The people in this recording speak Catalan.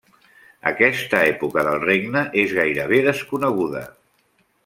Aquesta època del regne és gairebé desconeguda.